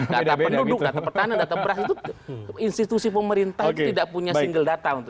data penduduk data pertanian data beras itu institusi pemerintah itu tidak punya single data untuk